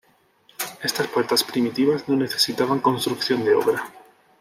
Estas puertas primitivas no necesitaban construcción de obra.